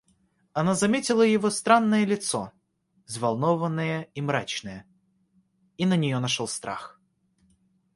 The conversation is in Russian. Она заметила его странное лицо, взволнованное и мрачное, и на нее нашел страх.